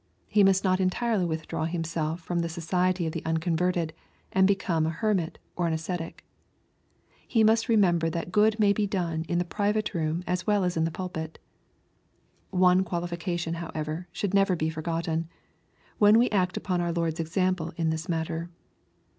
He must not entirely withdraw himself from the society of the unconverted, and become a her mit or an ascetic. He must remember that good may be done in the private room as well as in the pulpit. One qualification, however, should never be forgotten, when we act upon our Lord's example in this matter.